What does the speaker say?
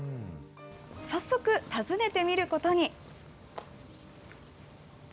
早速、訪ねてみることに。